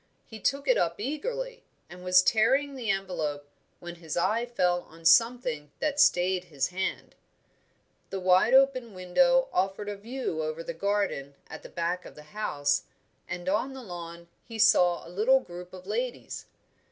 He took it up eagerly, and was tearing the envelope when his eye fell on something that stayed his hand. The wide open window offered a view over the garden at the back of the house, and on the lawn he saw a little group of ladies.